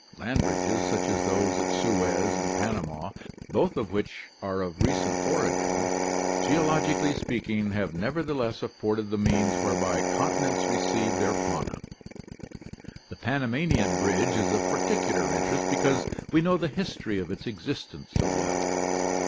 — Land bridges, such as those at Suez and Pan ama, both of which are of recent origin, geologically speaking, have nevertheless afforded the means whereby continents received their faunas. The Panamanian bridge is of particular interest because we know the history of its existence so well.